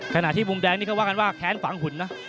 ขณะที่มุมแดงนี่เขาว่ากันว่าแค้นฝังหุ่นนะ